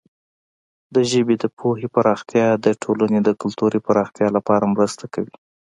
د ژبې د پوهې پراختیا د ټولنې د کلتوري پراختیا لپاره مرسته کوي.